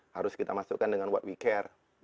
harus kita masukkan dengan what we care